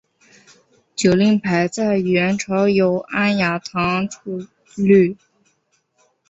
酒令牌在元朝有安雅堂觥律。